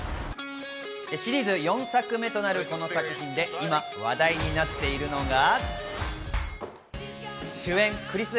シリーズ４作目となるこの作品で、今話題になっているのが。